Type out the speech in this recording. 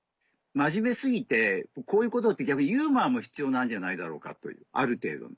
真面目過ぎてこういうことって逆にユーモアも必要なんじゃないだろうかとある程度の。